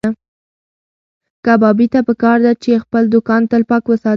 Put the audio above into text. کبابي ته پکار ده چې خپل دوکان تل پاک وساتي.